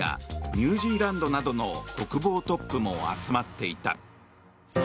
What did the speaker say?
ニュージーランドなどの国防トップも集まっていた。